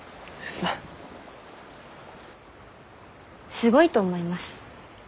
すごいと思います。